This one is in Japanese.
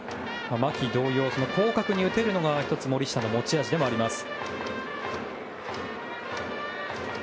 牧同様、広角に打てるのが森下の持ち味でもあります。